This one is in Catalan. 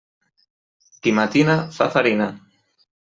Qui matina, fa farina.